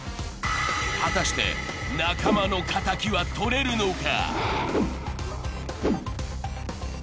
果たして、仲間のかたきはとれるのか？